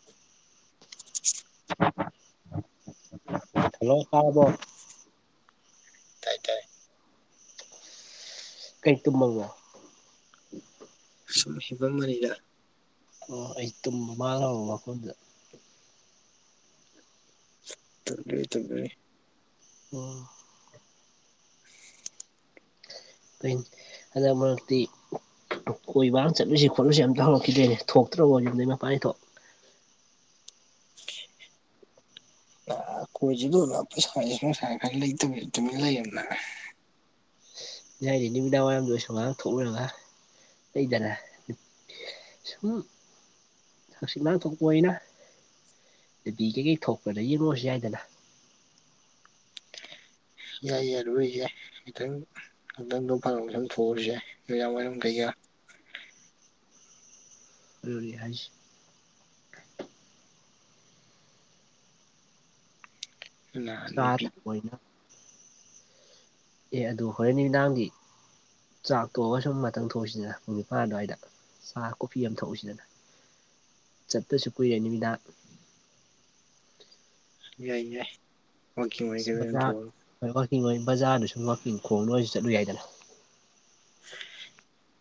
[unintelligible] hello ꯇꯥꯔꯕꯣ ꯍꯥꯏꯇꯥꯔꯦ ꯀꯩ ꯇꯨꯝꯃꯕꯣ ꯁꯨꯝ ꯍꯤꯕꯝꯕꯅꯤꯗ ꯑꯣ ꯑꯩ ꯇꯨꯝꯕ ꯃꯥꯜꯂꯕ ꯃꯐꯝꯗ ꯇꯨꯝꯗ꯭ꯔꯤ ꯇꯨꯝꯗ꯭ꯔꯤ ꯑꯣ [unintelligible] ꯑꯩꯟ ꯍꯟꯗꯛ ꯃꯔꯛꯇꯤ ꯀꯣꯏꯕ ꯆꯠꯂꯨꯁꯤ ꯈꯣꯠꯂꯨꯁꯤ ꯑꯝꯇ ꯍꯧꯔꯛꯈꯤꯗ꯭ꯔꯦꯅꯦ ꯊꯣꯛꯇ꯭ꯔꯕꯣ ꯌꯨꯝꯗꯩ ꯃꯄꯥꯟ ꯏꯊꯣꯛ ꯀꯣꯏꯁꯤꯗꯨ [unintelligible] ꯇꯨꯃꯤꯟ ꯂꯩꯌꯦꯅ ꯌꯥꯏꯔꯤ ꯅꯨꯃꯤꯗꯥꯡ ꯋꯥꯏꯔꯝꯗ ꯑꯣꯏꯁꯨ ꯉꯥꯏꯍꯥꯛ ꯊꯣꯛꯎꯔꯒ ꯂꯩꯗꯅ ꯁꯨꯝ ꯍꯛꯆꯤꯠ ꯅꯥꯟꯊꯣꯛꯄ ꯑꯣꯏꯅ ꯗꯨꯗꯤ ꯀꯩꯀꯩ ꯊꯣꯛꯄꯗ ꯌꯦꯡꯉꯨꯔꯁꯨ ꯌꯥꯏꯗꯅ ꯌꯥꯏ ꯌꯥꯔꯨꯏꯌꯦ ꯏꯊꯪ ꯍꯟꯗꯛ ꯅꯣꯡ ꯐꯥꯗꯣꯛꯇꯪ ꯊꯣꯛꯎꯁꯦ ꯅꯨꯡꯗꯥꯡ ꯋꯥꯏꯔꯝ ꯀꯩꯒ ꯑꯗꯨꯅꯤ ꯍꯥꯏꯁꯤ ꯅꯍꯥꯟ ꯆꯥ ꯅꯨꯄꯤ ꯊꯛꯄ ꯑꯣꯏꯅ ꯑꯦ ꯑꯗꯨ ꯍꯣꯔꯦꯟ ꯅꯨꯃꯤꯗꯥꯡꯒꯤ ꯆꯥꯛ ꯇꯣꯛꯑꯒ ꯁꯨꯝ ꯃꯊꯪ ꯊꯣꯛꯏꯁꯤꯅ ꯄꯨꯡ ꯅꯤꯄꯥꯟ ꯑꯗꯨꯋꯥꯏꯗ ꯁꯥ ꯀꯣꯐꯤ ꯑꯃ ꯊꯣꯛꯎꯁꯤꯗꯅ ꯆꯠꯇꯁꯨ ꯀꯨꯏꯔꯦ ꯅꯨꯃꯤꯗꯥꯡ ꯌꯥꯏ ꯌꯥꯏ ꯋꯥꯛꯀꯤꯡ ꯑꯣꯏꯅ ꯑꯁ ꯀꯩ ꯑꯣꯏꯅ ꯕꯖꯥꯔ ꯊꯣꯛꯎꯔꯣ ꯍꯣꯏ ꯋꯥꯛꯀꯤꯡ ꯑꯣꯏꯣꯏ ꯕꯖꯥꯔꯗ ꯁꯨꯝ ꯋꯥꯛꯀꯤꯡ ꯈꯣꯡꯅ ꯑꯣꯏꯔꯁꯨ ꯆꯠꯂꯨ ꯌꯥꯏꯗꯅ [inaudible]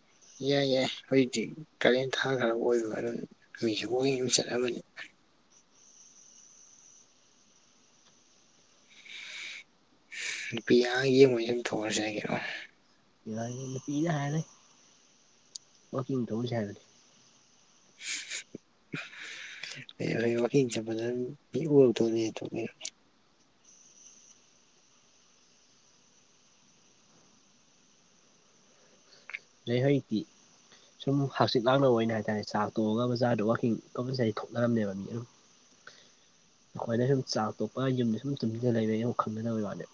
ꯏꯌꯥ ꯌꯥꯏ ꯑꯩꯗꯤ ꯀꯔꯦꯟ ꯊꯥꯈ꯭ꯔ ꯑꯣꯏꯕ ꯑꯗꯨ ꯃꯤꯁꯨ ꯋꯣꯏ ꯌꯨꯝ ꯆꯠꯂꯝꯃꯅꯤ ꯅꯨꯄꯤ ꯌꯥ [unintelligible] ꯑꯩꯒꯤ ꯕꯦꯔꯥꯅꯤ ꯅꯨꯄꯤꯅꯦ ꯍꯥꯏꯗꯤ ꯑꯣꯀꯤꯝ ꯊꯣꯛꯎꯁꯦ ꯍꯥꯏꯕꯅꯦ ꯑꯩꯏ ꯋꯥꯀꯤꯡ ꯆꯠꯄꯗ ꯃꯤ ꯎꯔꯛꯇꯅꯦ ꯊꯣꯛꯑꯦ ꯂꯩꯍꯩꯇꯤ ꯁꯨꯝ ꯍꯛꯆꯤꯠ ꯂꯥꯡꯅꯕ ꯑꯣꯏꯅ ꯍꯥꯏꯇꯥꯔꯦ ꯆꯥꯛ ꯇꯣꯛꯑꯒ ꯕꯖꯥꯔꯗ ꯋꯥꯀꯤꯡ ꯊꯣꯛꯎꯁꯦ ꯊꯣꯛꯅꯔꯝꯅꯦꯕ ꯃꯤ ꯑꯗꯨꯝ ꯈꯣꯏꯅ ꯁꯨꯝ ꯆꯥꯛ ꯇꯣꯛꯄ ꯌꯨꯝꯗ ꯁꯨꯝ ꯇꯨꯝꯁꯤꯜ ꯂꯩꯕꯩꯌꯨ ꯈꯪꯗꯅꯕꯩ ꯋꯥꯅꯦ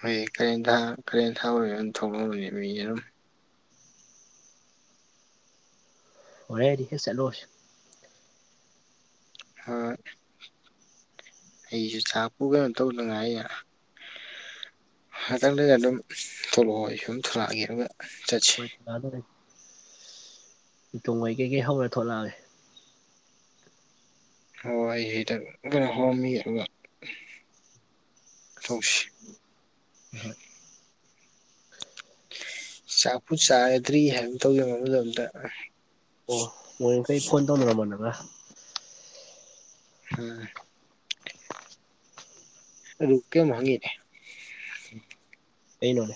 ꯃꯣꯏ ꯀꯔꯦꯟ ꯊ ꯀꯔꯦꯟ ꯊꯥꯕ ꯑꯗꯨꯝ ꯊꯣꯛꯕꯅꯤ ꯃꯤ ꯑꯗꯨꯝ ꯍꯣꯔꯦꯗꯤ ꯍꯦ ꯆꯠꯂꯣꯁꯤ ꯍꯣꯏ ꯑꯩꯁꯨ ꯆꯥꯛꯄꯨ ꯀꯩꯅꯣ ꯇꯧꯗꯉꯥꯏ ꯍꯇꯪ ꯑꯗꯨꯝ ꯊꯣꯛꯂꯛꯑꯣ ꯑꯩ ꯁꯨꯝ ꯊꯂꯛꯑꯒꯦ ꯑꯗꯨꯒ ꯆꯠꯁꯤ ꯇꯣꯡ ꯀꯩ ꯀꯩꯀꯩ ꯍꯧꯔ ꯊꯣꯂꯛꯑꯒꯦ ꯍꯣꯏ ꯑꯩ ꯍꯗ ꯀꯩꯅꯣ ꯍꯔꯝꯃꯤ ꯑꯗꯨꯒ ꯇꯧꯁꯤ ꯍꯣꯏ ꯆꯥꯛꯄꯨ ꯆꯥꯒꯗ꯭ꯔꯤ ꯍꯥꯏꯅ ꯇꯧ ꯌꯦꯕ ꯃꯇꯝꯗ ꯑꯣ ꯃꯣꯔꯡꯈꯩ ꯐꯣꯟ ꯇꯧꯅꯔꯝꯃꯣ ꯅꯒ ꯍꯣꯏ [inaudible] ꯔꯨꯀꯦ ꯃꯥꯡꯒꯦꯅꯦ ꯀ ꯅꯣꯅꯦ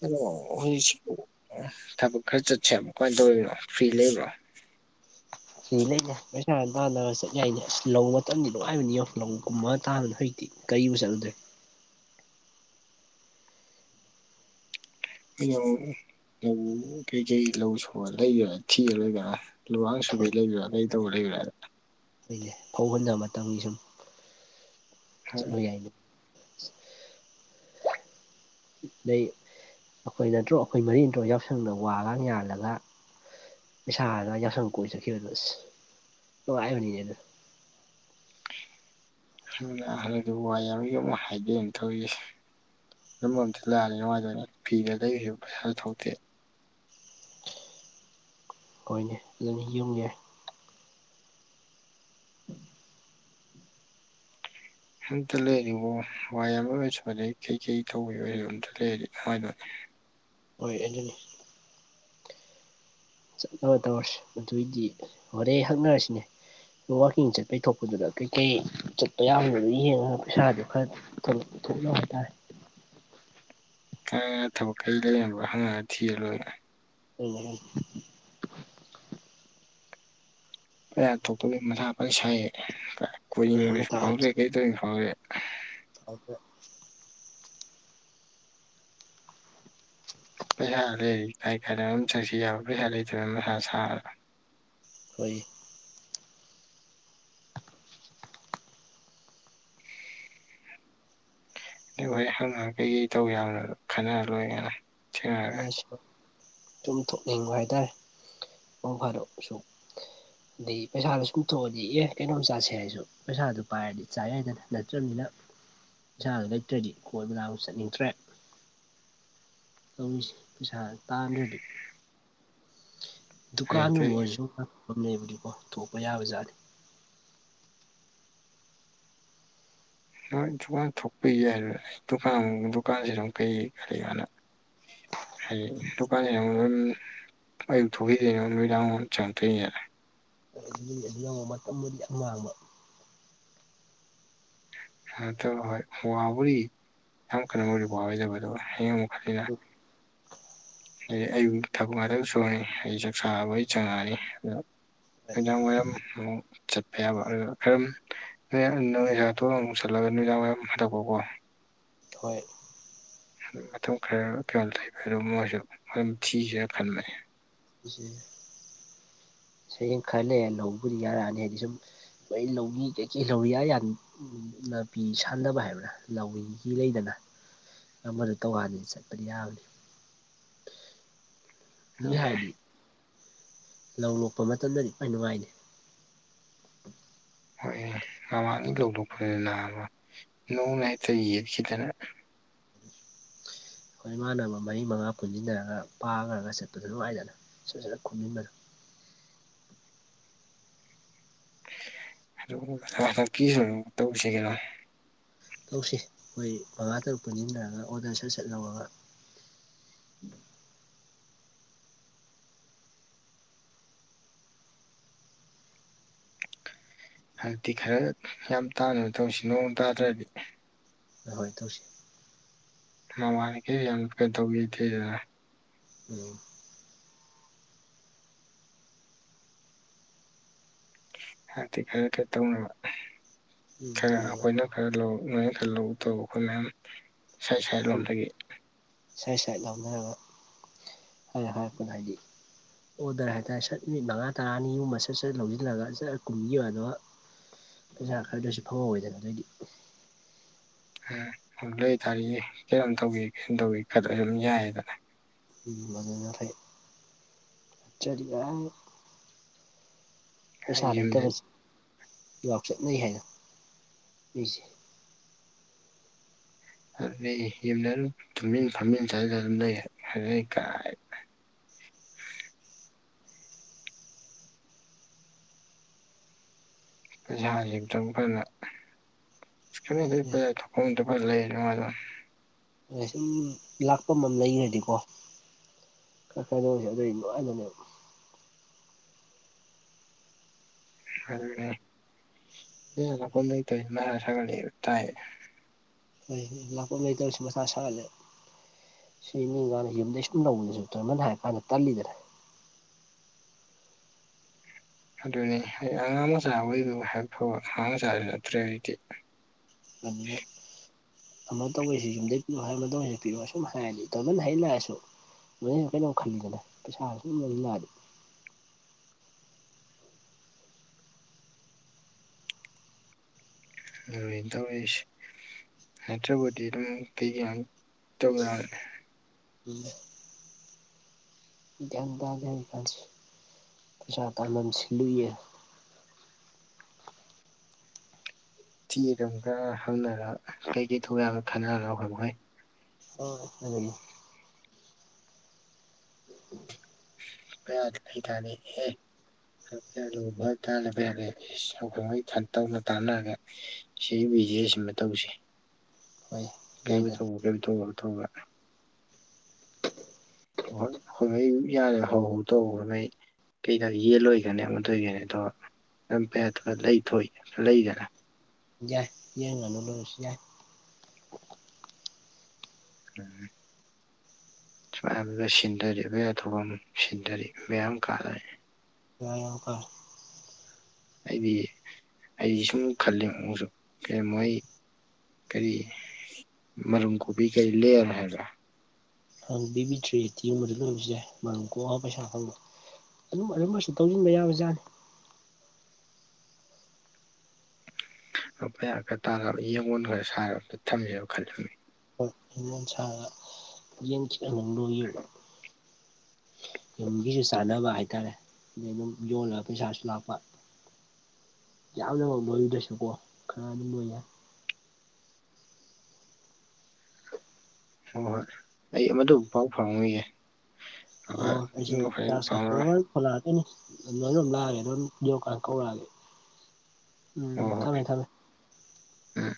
ꯍꯂꯣ ꯍꯧꯖꯤꯛꯁꯤ ꯊꯕꯛ ꯈꯔ ꯆꯠꯁꯦꯕ ꯀꯃꯥꯏꯅ ꯇꯧꯔꯤꯔꯤꯕꯅꯣ ꯐ꯭ꯔꯤ ꯂꯩꯕ꯭ꯔꯣ ꯁꯤ ꯂꯩꯅꯦ ꯄꯩꯁꯥ ꯇꯥꯅꯕ ꯆꯠ ꯌꯥꯏꯅꯦ ꯑꯁ ꯂꯧ ꯃꯇꯝꯗꯤ ꯅꯨꯡꯉꯥꯏꯕꯅꯤꯣ ꯂꯧꯒꯨꯝꯕ ꯇꯥꯕ ꯍꯖꯤ ꯀꯨ ꯆꯠꯂꯨꯗ꯭ꯔꯦ ꯑꯩꯅ ꯑꯃꯨꯛ ꯂꯧ ꯀꯔꯤꯀꯩ ꯂꯧ ꯁꯨꯕ ꯂꯩꯒꯦꯔꯥ ꯊꯤꯔꯔꯣꯏꯗꯔꯥ ꯂꯨꯍꯥꯡ ꯁꯨꯕꯤ ꯂꯩꯕꯥ ꯀꯩ ꯇꯧꯕ ꯂꯩꯕ꯭ꯔꯥ ꯍꯥꯏꯗꯅ ꯑꯩꯈꯣꯏꯁꯦ ꯐꯧꯍꯟꯕ ꯃꯇꯝꯒꯤ ꯁꯨꯝ ꯆꯠꯂꯨ ꯌꯥꯏꯅꯦ ꯑꯗꯩ ꯑꯩꯈꯣꯏ ꯅꯟꯠꯇ꯭ꯔꯣ ꯑꯩꯈꯣꯏ ꯃꯔꯤ ꯅꯟꯇ꯭ꯔꯨ ꯌꯥꯎꯁꯪꯅ ꯋꯥꯒ ꯌꯥꯜꯂꯒ ꯄꯩꯁꯥꯗ ꯌꯥꯎꯁꯪ ꯀꯣꯏ ꯆꯈꯤꯕꯗꯣ ꯑꯁ ꯅꯨꯡꯉꯥꯏꯕꯅꯤꯅꯦ ꯑꯗꯨꯗ ꯑꯍꯅꯗ ꯋꯥ ꯌꯥꯎꯔ ꯑꯃꯨꯛ ꯍꯥꯏꯕꯤ ꯑꯃꯨ ꯊꯧꯔꯤꯁꯦ ꯌꯝꯕ ꯑꯝꯇ ꯂꯥꯛꯑꯅꯤ ꯅꯨꯡꯉꯥꯏꯗꯣꯏꯅꯤ ꯐꯤꯗ ꯂꯩꯁꯤ ꯄꯩꯁꯥꯁꯨ ꯊꯧꯇꯦ ꯍꯣꯏꯅꯦ ꯑꯗꯨꯅꯤ ꯌꯨꯝꯒꯤ ꯑꯝꯇ ꯂꯩꯔꯔꯤꯕ ꯍꯏ ꯑꯃ ꯑꯣꯏꯔꯁꯨ ꯃꯗꯩ ꯀꯩꯀꯩ ꯇꯧꯕ ꯑꯣꯏꯔ ꯑꯝꯇ ꯂꯩꯔꯗꯤ ꯍꯋꯥꯏꯗ ꯍꯣꯏ ꯑꯦꯟꯇꯅꯤ ꯆꯠꯅꯕ ꯇꯧꯔꯁꯤ ꯑꯗꯨꯑꯣꯏꯗꯤ ꯍꯣꯔꯦꯟ ꯍꯛꯅꯔꯁꯤꯅꯦ ꯋꯥꯋꯥꯛꯀꯤꯡ ꯆꯠꯄꯩ ꯊꯣꯛꯄꯗꯨꯗ ꯀꯩꯀꯩ ꯆꯠꯄ ꯌꯥꯝꯗꯗ ꯌꯦꯡꯉꯒ ꯄꯩꯁꯥꯗꯨꯣ ꯈꯔ ꯆꯣ ꯊ ꯍꯥꯏꯇꯥꯦ ꯀꯉꯒ ꯊꯕꯛ ꯀꯩ ꯂꯩꯔꯝꯕ꯭ꯔꯣ ꯍꯪꯉꯛꯑꯒ ꯊꯤꯔ ꯂꯣꯏꯔ ꯎꯝ ꯀꯌꯥ ꯊꯣꯛꯇꯣꯏꯅ ꯃꯊꯥ ꯁꯥꯏ ꯀꯣꯏꯏꯁꯨ ꯐꯥꯎꯗ꯭ꯔꯦ ꯀꯩꯗꯧꯔꯤꯅꯣ ꯐꯥꯎꯔꯦ ꯑꯀꯦ ꯄꯩꯁꯥ ꯂꯩꯔꯤ ꯀꯥꯏ ꯀꯥꯏꯗ ꯑꯗꯨꯝ ꯆꯠꯁꯤ ꯌꯥꯕ ꯄꯩꯁꯥ ꯂꯩꯇꯕꯅ ꯃꯁꯥ ꯁꯥꯔꯒ ꯍꯈꯣꯏ ꯑꯗꯨ ꯍꯣꯏ ꯍꯪꯅ ꯀꯩꯀꯩ ꯇꯧ ꯌꯥꯝꯅ ꯈꯟꯅꯔ ꯂꯣꯏ ꯀꯅ ꯑꯩꯅ ꯆꯨꯝ ꯊꯣꯛꯅꯤꯡꯕ ꯍꯥꯏꯇꯥꯔꯦ ꯅꫭꯡ ꯐꯥꯗꯣꯛꯁꯨ ꯑꯗꯩ ꯄꯩꯁꯥꯗꯨꯣ ꯁꯨꯝꯊꯣꯛꯑꯗꯤ ꯑꯦ ꯀꯩꯅꯣꯝ ꯆꯥꯥꯁꯦ ꯍꯥꯏꯁꯨ ꯄꯩꯁꯥꯗꯨ ꯄꯥꯏꯔꯗꯤ ꯆꯥ ꯌꯥꯏꯗꯅ ꯅꯠꯇ꯭ꯔꯕꯅꯤꯅ ꯄꯩꯁꯥꯗꯨ ꯂꯩꯇ꯭ꯔꯗꯤ ꯀꯣꯏꯕ ꯂꯥꯡꯕ ꯆꯠꯅꯤꯡꯗ꯭ꯔꯦ ꯇꯧꯔꯤꯁꯦ ꯄꯩꯁꯥ ꯇꯥꯟꯗ꯭ꯔꯗꯤ ꯑꯗꯩꯗꯤ ꯗꯨꯀꯥꯟꯒꯨꯝꯕ ꯑꯣꯏꯔꯁꯨ ꯐꯐꯝ ꯂꯩꯕꯗꯤꯀꯣ ꯊꯣꯛꯄ ꯌꯥꯕ ꯖꯥꯠꯅꯤ ꯅꯣꯏ ꯗꯨꯀꯥꯟ ꯊꯣꯛꯄ ꯌꯥꯏ ꯑꯩ ꯗꯨꯀꯥꯟ ꯗꯨꯀꯥꯟꯁꯤ ꯑꯗꯨ ꯀꯩ ꯀꯔꯤ ꯀꯥꯟꯅ ꯍꯥꯏ ꯗꯨꯀꯟ ꯑꯩ ꯊꯣꯛꯅꯤꯃꯤꯗꯥ ꯆꯪꯇꯔꯦ ꯗꯒꯤ ꯑꯗꯨ ꯌꯥꯝꯨ ꯃꯇꯝꯕꯨꯗꯤ ꯌꯥꯝꯥꯡꯕ ꯇꯧ ꯍꯣꯏ ꯋꯥꯕꯨꯗꯤ ꯌꯥꯝ ꯀꯩꯅ ꯑꯣꯏꯗꯤ ꯋꯥꯔꯣꯏꯗꯕ ꯑꯗꯨꯒ ꯍꯌꯦꯡ ꯃꯈꯜꯅ ꯍꯥꯏꯗꯤ ꯑꯩꯕꯨ ꯊꯕꯛ ꯉꯥꯛꯇꯪ ꯁꯨꯔꯅꯤ ꯑꯩ ꯆꯥꯛ ꯁꯥꯕ ꯑꯩ ꯆꯪꯉꯛꯑꯅꯤ ꯑꯗ ꯑꯩꯅ ꯑꯣꯏ ꯆꯠꯄ ꯌꯥꯕ ꯑꯗꯨꯒ ꯈꯔꯝ ꯅ ꯅꯣꯏꯁꯥꯊꯑ ꯑꯃꯨꯛꯁꯜꯂꯒ ꯅꯨꯅꯨꯡꯖꯡ ꯋꯥꯏꯝ ꯍꯟꯊꯛꯄꯀꯣ ꯍꯣꯏ ꯃ ꯈꯔ ꯀꯩꯅꯣ ꯂꯩꯕ ꯑꯗꯨ ꯃꯣꯏꯁꯨ ꯑꯗꯨꯝ ꯊꯤꯁꯤꯅ ꯈꯟꯕꯅꯤ ꯁꯌꯦꯡ ꯈꯔ ꯂꯩꯔ ꯂꯧꯕꯗꯤ ꯌꯥꯔꯛꯑꯅꯤ ꯍꯥꯏꯗꯤ ꯁꯨꯝ ꯑꯩꯏ ꯂꯧꯃꯤ ꯀꯩꯀꯩ ꯂꯧꯏꯌꯥ ꯌꯥ ꯎꯝ ꯅꯥꯄꯤ ꯁꯥꯟꯗꯕ ꯍꯥꯏꯕ꯭ꯔꯥ ꯂꯧꯋꯒꯤ ꯂꯩꯗꯅ ꯅꯝꯕꯔ ꯇꯧꯀꯥꯟꯗꯗꯤ ꯆꯠꯄꯗꯤ ꯌꯥꯕꯅꯤ ꯑꯦ ꯍꯥꯏ ꯂꯧ ꯂꯣꯛꯄ ꯃꯇꯝꯗꯗꯤ ꯈꯋꯥꯏ ꯅꯨꯡꯉꯥꯏꯗꯥ ꯍꯣꯏ ꯃꯃꯥꯡꯗꯒꯤ ꯂꫭꯛꯄꯗꯥꯗꯤ ꯅꯥꯕꯥ ꯅꯣꯡꯅ ꯍꯦꯛꯇ ꯌꯦꯠꯈꯤꯗꯅ ꯑꯩꯈꯣꯏ ꯏꯃꯥꯟꯅ ꯃꯔꯤ ꯃꯉꯥ ꯄꯨꯟꯁꯤꯟꯅꯔꯒ ꯄꯥꯈ꯭ꯔꯒ ꯆꯠꯄꯗ ꯅꯨꯡꯉꯥꯏꯗꯅ ꯁ ꯁꯖꯅ ꯈꯨꯝꯝꯃꯤꯟꯕꯗꯣ ꯑꯗꯨ ꯀꯁꯨ ꯇꯧꯁꯤ ꯀꯩꯅꯣ ꯇꯧꯁꯤ ꯑꯩꯈꯣꯏ ꯃꯉꯥ ꯇꯔꯨꯛ ꯄꯨꯟꯁꯤꯟꯅꯔꯒ ꯑꯣꯔꯗꯔ ꯁꯠ ꯁꯠ ꯂꯧꯔꯒ ꯍꯥꯏꯗꯛꯇꯗꯤ ꯈꯔ ꯌꯥꯝ ꯇꯥꯅꯅ ꯇꯧꯁꯤ ꯅꯣꯡ ꯇꯥꯗ꯭ꯔꯗꯤ ꯍꯣꯏ ꯍꯣꯏ ꯇꯧꯁꯤ ꯃꯃꯥꯟꯅꯤꯒꯦ ꯌꯥꯝ ꯀꯩ ꯇꯧꯒꯦꯗꯦꯗ ꯎꯝ ꯍꯥꯏꯥꯟꯛꯇꯤ ꯈꯔ ꯈꯩ ꯇꯧꯅꯕ ꯈꯔ ꯎꯝ ꯑꯩꯈꯣꯏꯅ ꯈꯔ ꯂꯧ ꯅꯣꯏ ꯈꯔ ꯂꯧ ꯇꯧꯕ ꯑꯩꯈꯣꯏ ꯃꯌꯥꯝ ꯁꯥꯏ ꯁꯥꯏꯠ ꯂꯣꯝꯗꯒꯤ ꯁꯥꯏꯠ ꯁꯥꯏꯠ ꯂꯧꯥꯎꯅꯔꯒ ꯍꯥꯏ ꯍꯥꯏꯔꯛꯄꯗ ꯍꯥꯏꯗꯤ ꯑꯣꯗꯔ ꯍꯥꯏꯇꯥꯔꯦ ꯁꯠ ꯃꯤꯅꯤꯠ ꯃꯉꯥ ꯇꯔꯥꯅꯤꯒꯨꯝꯕ ꯁꯠ ꯁꯠ ꯂꯧꯁꯤꯜꯂꯒ ꯁꯠ ꯀꯨꯝꯈꯤꯕꯌ ꯑꯗꯣ ꯄꯩꯁꯥ ꯈꯔꯗꯁꯨ ꯐꯪꯍꯧ ꯑꯣꯏꯗꯅ ꯑꯗꯨꯑꯣꯏꯗꯤ ꯎꯝ ꯂꯩ ꯇꯥꯔꯤꯌꯦ ꯀꯩꯅꯣꯝ ꯇꯧꯒꯦ ꯀꯩꯝ ꯇꯧꯒꯦ ꯈ ꯑꯗꯨꯝ ꯌꯥꯏꯌꯦꯗꯅ ꯃꯖꯇꯩ ꯈꯌꯥꯔꯤ ꯍꯥꯏ ꯄꯩꯁꯥ ꯌꯨꯝꯗ ꯂꯩꯇꯕꯁꯦ ꯉꯥꯎꯆꯠꯅꯩ ꯍꯥꯏꯅ ꯃꯤꯁꯤ ꯑꯗꯨꯩ ꯌꯦꯨꯝꯗ ꯑꯗꯨ ꯇꯨꯝꯃꯤꯟ ꯐꯝꯖꯤꯟ ꯆꯥꯖꯔ ꯂꯩ ꯍꯥꯏꯔꯩ ꯀꯥꯏ ꯄꯩꯁꯥꯥꯁ ꯑꯃꯨꯇꯪ ꯐꯅꯀꯗ ꯄꯩꯁꯥ ꯊꯐꯝꯗ ꯐꯅ ꯂꯩ ꯑꯗꯨꯅꯨꯡꯥꯏꯗꯅ ꯑ ꯁꯨꯝ ꯂꯥꯛꯄꯝ ꯑꯃ ꯂꯩꯈ꯭ꯔꯗꯤꯀꯣ ꯀ ꯀꯩꯅꯣꯁꯦ ꯑꯗꯨꯏ ꯂꯣꯏꯅꯦꯕ [unintelligible] ꯇꯥꯏꯌꯦ ꯍꯣꯏ ꯂꯥꯛꯄꯝ ꯂꯩꯇꯥꯁꯤ ꯃꯊꯥ ꯁꯥꯊꯠꯂꯦ ꯁꯤ ꯃꯤꯀꯥꯟꯅ ꯌꯨꯝꯗ ꯁ ꯏꯁꯨꯝ ꯂꯧꯕꯗꯁꯨ ꯇꯣꯏꯃꯟ ꯍꯥꯏꯔ ꯀꯥꯟꯗ ꯇꯠꯜꯂꯤꯗꯔꯦ ꯑꯗꯨꯅꯤ ꯑꯩ ꯑꯉꯥꯡ ꯃꯆꯥ ꯑꯣꯏꯗꯨ ꯍꯥꯏꯕ ꯐꯕ ꯑꯉꯥꯡ ꯃꯆꯥꯗꯨ ꯅꯠꯇ꯭ꯔꯦ ꯍꯧꯖꯤꯗꯤ ꯑꯅꯤ ꯑꯃ ꯇꯧꯁꯤ ꯌꯨꯝꯗꯩ ꯄꯤꯌꯣ ꯍꯥꯏꯔ ꯑꯃ ꯇꯧꯩꯁꯤ ꯄꯤꯛꯑꯣ ꯑꯨꯝ ꯍꯥꯏꯔꯗꯤ ꯇꯗꯅ ꯍꯌꯦ ꯂꯥꯛꯑꯁꯨ ꯍꯦ ꯀꯩꯅꯣ ꯈꯜꯂꯤꯗꯅꯦ ꯄꯩꯁꯥ ꯁꯨꯝ ꯂꯧꯖꯤꯟꯂꯛꯑꯗꯤ ꯑ ꯏꯗꯁ ꯍꯥꯏꯕꯗꯤ ꯑꯗꯨꯝ ꯇꯧꯕ ꯌꯥꯦ ꯎ ꯒ꯭ꯌꯥꯟ ꯇꯥꯗꯀꯥꯟꯁꯤ ꯄꯩꯁꯥ ꯇꯥꯝ ꯁꯤꯂꯨꯏꯌꯦ ꯆꯤꯗ ꯑꯃꯨꯛꯀ ꯍꯪꯅꯔꯒ ꯀꯩꯀꯩ ꯊꯅ ꯈꯥꯅꯔꯒ ꯍꯔꯣꯏ ꯑꯣꯖ ꯎ ꯄ ꯌꯥꯗ ꯂꯩ ꯇꯅꯤ ꯑꯦ ꯑꯗꯨ ꯚꯣꯏ ꯇꯥꯂꯕ ꯌꯥꯔꯦꯈꯉꯩ ꯈ ꯇꯧꯅ ꯇꯥꯟꯅꯔꯒꯦ ꯁꯤ ꯕꯤꯖꯤꯅꯦꯁ ꯑꯃ ꯇꯧꯁꯤ [unintelligible] ꯀꯩꯃꯤ ꯌꯥꯏꯗ ꯇꯣꯡꯉ ꯀꯩꯝ ꯇꯣꯡꯉ ꯇꯣꯡꯒ ꯍꯣꯏ ꯍꯣꯏ ꯑꯩ ꯌꯥꯔꯦ ꯍꯧꯍꯨ ꯇꯧ ꯅ ꯑꯩ ꯀꯩꯗ ꯌꯦꯟꯂꯣꯏꯒꯅꯤ ꯑꯃ ꯑꯣꯏꯒꯅꯤ ꯑꯗꯣ ꯂꯩꯊꯏ ꯂꯩꯒꯔꯥ ꯌꯥꯏ ꯌꯦꯟ ꯉꯥꯅꯨ ꯂꯣꯏꯔꯁꯩ ꯌꯥꯏ ꯎꯝ ꯁꯨꯃ ꯁꯤꯟꯗꯔꯤ ꯑꯩꯈꯣꯏ ꯑꯊꯐꯝ ꯁꯤꯟꯗꯔꯤ ꯃꯌꯥꯝ ꯀꯥꯅꯦ ꯧ ꯀꯔ ꯑꯩꯗꯤ ꯑꯩꯗꯤ ꯁꯨꯝ ꯈꯜꯂꯤ ꯑꯃꯁꯨ ꯀꯩꯃꯣ ꯑꯩ ꯀꯔꯤ ꯃꯔꯨꯝ ꯀꯣꯕꯤ ꯀꯔꯤ ꯂꯩꯔꯔ ꯍꯥꯏꯕ꯭ꯔꯥ ꯍꯪ ꯄꯤꯕꯤꯗ꯭ꯔꯤꯇꯤꯒꯨꯝꯕꯗ ꯂꯣꯏꯨꯁꯤ ꯌꯥꯏ ꯃꯔꯝ ꯀꯣꯛꯑ ꯄꯩꯁꯥ ꯈꯪꯕꯣ ꯑꯗꯨꯝ ꯑꯗꯨꯔꯝꯕꯁꯨ ꯇꯧꯁꯤꯟꯕ ꯌꯥꯕꯖꯥꯠꯅꯤ ꯂꯄꯥ ꯈ ꯇꯥꯔ ꯌꯦꯡꯉꯣꯟ ꯈꯔ ꯁꯥꯔ ꯑ ꯊꯝꯃꯦꯦꯕ ꯈꯜꯂꯝꯃꯤ ꯍꯣꯏꯣꯟ ꯁꯥꯒ ꯌꯦꯟꯈꯤꯤꯍꯂꯨ ꯂꯣꯏꯏ ꯌꯨꯝꯒꯤꯁꯨ ꯆꯥꯅꯕ ꯍꯥꯏꯇꯥꯔꯦ ꯑꯗꯩ ꯑꯗꯨꯝ ꯌꯣꯜꯂꯒ ꯄꯩꯁꯥꯁꯨ ꯂꯥꯛꯄ ꯌꯥꯝꯅꯃꯛ ꯂꯣꯏꯨꯗ꯭ꯔꯁꯨꯀꯣ ꯈꯔ ꯑꯗꯨꯝ ꯂꯣꯏꯌꯦꯦ ꯍꯣꯏ ꯍꯣꯏ ꯑꯩ ꯑꯃꯗꯨꯕꯨ ꯄꯥꯎ ꯐꯥꯎꯉꯌꯦꯦ ꯑꯣ ꯑꯩꯁꯨ ꯀꯌꯥ ꯁꯥ ꯐꯣ ꯐꯥꯎꯅꯔꯣ ꯍ ꯂꯥꯛꯑꯛꯇꯣꯏꯅꯤ ꯂꯣꯏ ꯂꯝ ꯂꯥꯛꯑꯒꯦ ꯑꯗꯨꯣꯏꯝ ꯌꯣꯛꯀꯥꯟ ꯀꯧꯔꯛꯑꯒꯦ ꯍꯣꯏ ꯎꯝ ꯍꯣꯏ ꯊꯝꯃꯦ ꯊꯝꯃꯦ ꯎꯝ